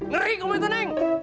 ngeri om itu neng